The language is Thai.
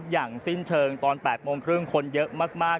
อย่างสิ้นเชิงตอน๘โมงครึ่งคนเยอะมาก